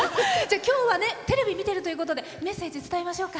テレビ見てるということでメッセージ伝えましょうか。